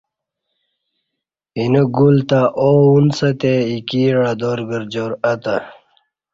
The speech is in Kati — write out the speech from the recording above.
اینہ گل تہ آو انڅہ تے ایکی عدارگرجار اہ تہ